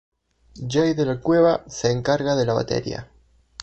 Jay de la Cueva se encarga de la batería.